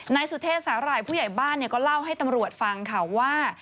นายสุเทพสาหร่ายผู้ใหญ่บ้านก็เล่าให้ตำรวจฟังค่ะว่า